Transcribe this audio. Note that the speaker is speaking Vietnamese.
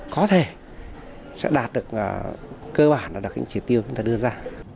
có thể sẽ đạt được cơ bản là đặc hình chi tiêu chúng ta đưa ra